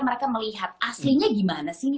mereka melihat aslinya gimana sih